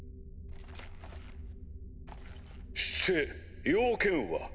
して用件は？